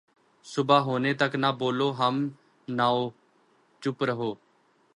صبح ہونے تک نہ بولو ہم نواؤ ، چُپ رہو